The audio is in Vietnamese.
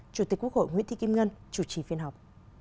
chủ tịch quốc hội nguyễn thị kim ngân chủ trì phiên họp